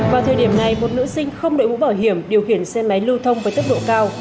vào thời điểm này một nữ sinh không đội mũ bảo hiểm điều khiển xe máy lưu thông với tốc độ cao